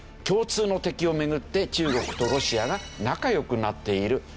共通の敵を巡って中国とロシアが仲良くなっている。